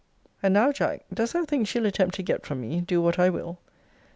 And now, Jack, dost thou think she'll attempt to get from me, do what I will?